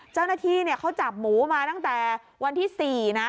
เจ้าหน้าที่เขาจับหมูมาตั้งแต่วันที่๔นะ